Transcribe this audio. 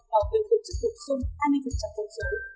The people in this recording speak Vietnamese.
bảo vệ tổ chức tổ chức dùng ba mươi cộng số